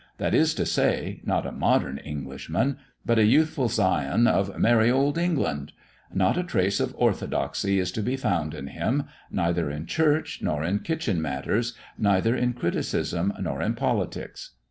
That is to say, not a modern Englishman, but a youthful scion of merry old England. Not a trace of orthodoxy is to be found in him, neither in church nor in kitchen matters, neither in criticism nor in politics."